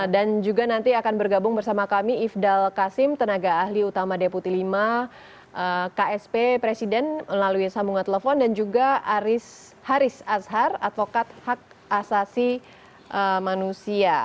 dan juga nanti akan bergabung bersama kami ifdal kasim tenaga ahli utama deputi v ksp presiden melalui sambungan telepon dan juga haris azhar advokat hak asasi manusia